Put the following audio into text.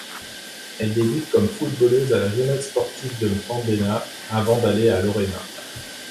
Elle débute comme footballeuse à la Jeunesse sportive de Mfandena, avant d’aller à Lorema.